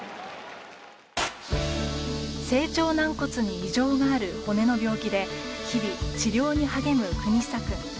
成長軟骨に異常がある骨の病気で日々、治療やリハビリに励む國久君。